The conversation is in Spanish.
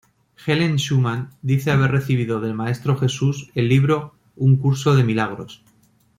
Helen Schuman dice haber recibido del Maestro Jesús el libro "Un curso de milagros".